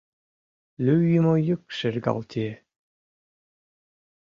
Лӱйымӧ йӱк шергылтие.